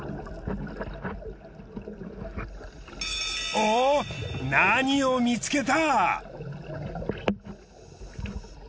おぉ何を見つけた！？